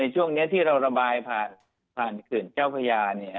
ในช่วงนี้ที่เราระบายพันธุ์ขื่นเจ้าพระยา